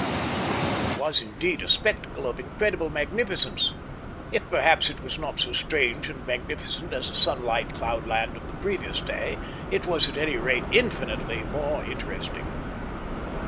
It was indeed a spectacle of incredible magnificence. If perhaps it was not so strange and magnificent as the sunlit cloudland of the previous day, it was at any rate infinitely more interesting.